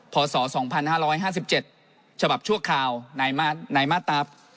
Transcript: ผ่าส่อ๒๕๕๗ฉบับชั่วข่าวในมาตร๔๘